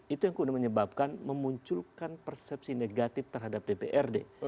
itu yang kemudian menyebabkan memunculkan persepsi negatif terhadap dprd